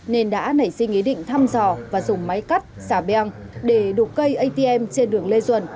nên đã nảy sinh ý định thăm dò và dùng máy cắt xà beng để đục cây atm trên đường lê duẩn